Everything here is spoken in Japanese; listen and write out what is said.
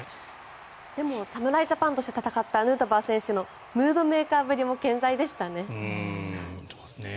でも侍ジャパンとして戦ったヌートバー選手のムードメーカーぶりも健在でしたね。